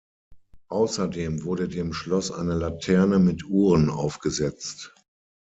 Außerdem wurde dem Schloss eine Laterne mit Uhren aufgesetzt.